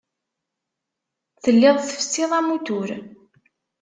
Telliḍ tfessiḍ amutur.